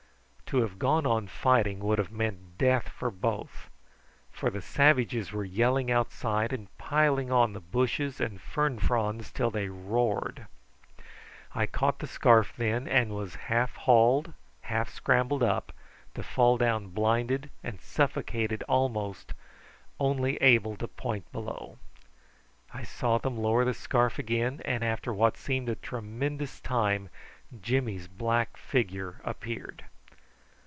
To have gone on fighting would have meant death to both, for the savages were yelling outside and piling on the bushes and fern fronds till they roared. I caught the scarf then, and was half hauled half scrambled up, to fall down blinded and suffocated almost, only able to point below. I saw them lower the scarf again, and after what seemed a tremendous time Jimmy's black figure appeared.